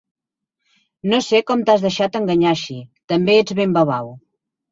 No sé com t'has deixat enganyar així: també ets ben babau.